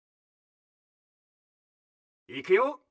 いくよ。